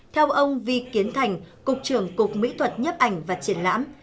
theo ông vi kiến thành cục trưởng cục mỹ thuật nhấp ảnh và triển lãm